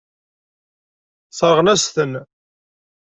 Sseṛɣen-as-ten.